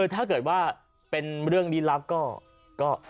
ถ้าเกิดว่าเป็นเรื่องลี้ลับก็